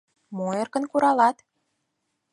— Мо эркын куралат?